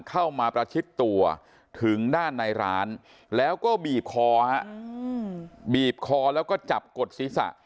เข้ามาประชิดตัวถึงด้านในร้านแล้วก็บีบคอฮะบีบคอแล้วก็จับกดศีรษะ